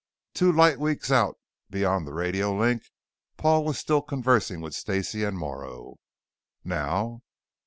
Two light weeks out beyond the radio link, Paul was still conversing with Stacey and Morrow. "Now?"